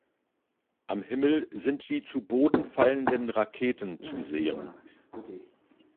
Am Himmel sind die zu Boden fallenden Raketen zu sehen.